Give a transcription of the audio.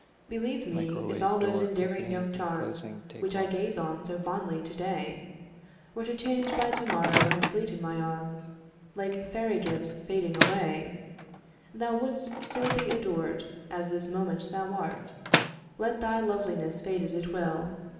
Believe me, if all those endearing young charms, Which I gaze on so fondly today, Were to change by to morrow, and fleet in my arms, Like fairy gifts fading away, Thou wouldst still be adored, as this moment thou art. Let thy loveliness fade as it will.